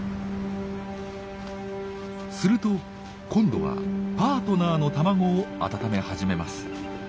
すると今度はパートナーの卵を温め始めます。